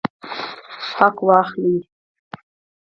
حق واخلئ